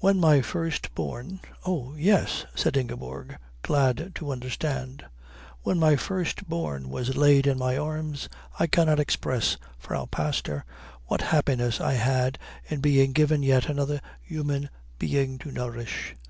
"When my first born " "Oh, yes," said Ingeborg, glad to understand. "When my first born was laid in my arms I cannot express, Frau Pastor, what happiness I had in being given yet another human being to nourish."